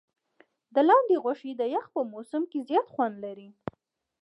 د لاندي غوښي د یخ په موسم کي زیات خوند لري.